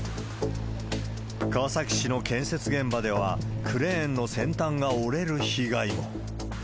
川崎市の建設現場では、クレーンの先端が折れる被害も。